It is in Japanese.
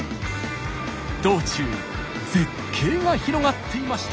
道中絶景が広がっていました。